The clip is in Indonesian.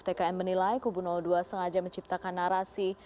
tkn menilai kubu dua sengaja menciptakan narasi